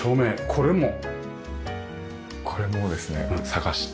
これも。これもですね探して。